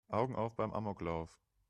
Augen auf beim Amoklauf!